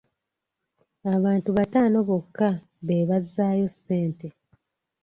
Abantu bataano bokka be bazzaayo ssente.